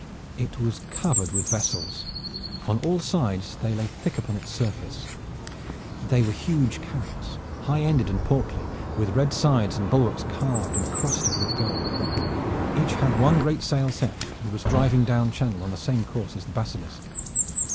It was covered with vessels. On all sides they lay thick upon its surface. They were huge caracks, high ended and portly, with red sides and bulwarks carved and crusted with gold. Each had one great sail set and was driving down channel on the same course at the Basilisk.